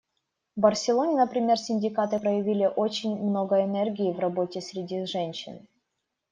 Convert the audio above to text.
В Барселоне, например, синдикаты проявили очень много энергии в работе среди женщин.